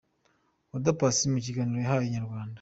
Oda Paccy mu kiganiro yahaye Inyarwanda.